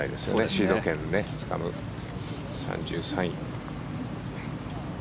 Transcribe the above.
シード権をつかむ３３位。